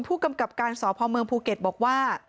ผู้กำกับการสพเมืองภูเก็ตบอกว่า